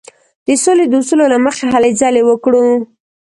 د سولې د اصولو له مخې هلې ځلې وکړو.